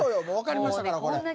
もうわかりましたからこれ。